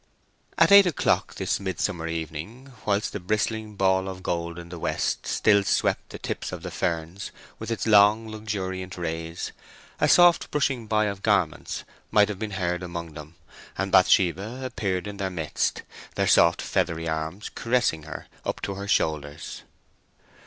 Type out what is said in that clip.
At eight o'clock this midsummer evening, whilst the bristling ball of gold in the west still swept the tips of the ferns with its long, luxuriant rays, a soft brushing by of garments might have been heard among them, and Bathsheba appeared in their midst, their soft, feathery arms caressing her up to her shoulders.